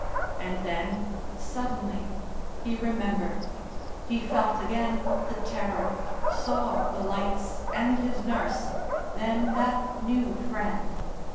And then, suddenly, he remembered.... He felt again the terror, saw the lights and his nurse, then that new friend....